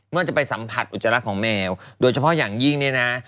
ว่าจะไปสัมผัสอุจจาระของแมวโดยเฉพาะอย่างยิ่งเนี่ยนะ